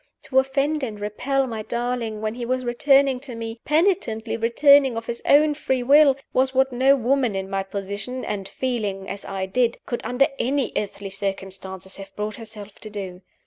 To offend and repel my darling when he was returning to me, penitently returning of his own free will, was what no woman in my position, and feeling as I did, could under any earthly circumstances have brought herself to do.